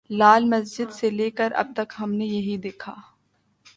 لال مسجد سے لے کر اب تک ہم نے یہی دیکھا۔